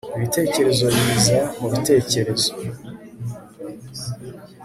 ibitekerezo biza mubitekerezo